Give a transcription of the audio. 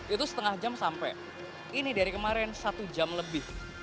itu setengah jam sampai ini dari kemarin satu jam lebih